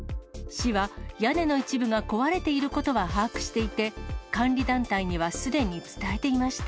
市は、屋根の一部が壊れていることは把握していて、管理団体にはすでに伝えていました。